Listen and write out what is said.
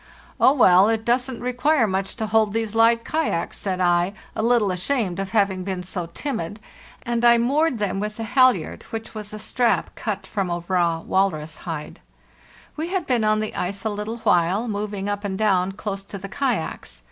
"Oh, well, 1t doesn't require much to hold these light kayaks," said I, a little ashamed of having been so timid, and I moored them with the halyard, which was a strap cut from a raw walrus hide. We had been on the ice a little while, moving up and down close to the kayaks.